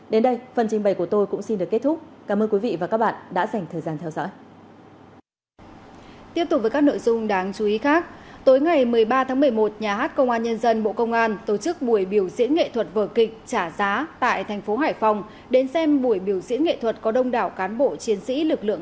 đến đây phần trình bày của tôi cũng xin được kết thúc cảm ơn quý vị và các bạn đã dành thời gian theo dõi